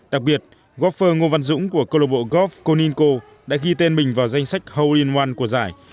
đặc biệt góp phơ ngô văn dũng của câu lạc bộ golf koninko đã ghi tên mình vào danh sách hole in one của giải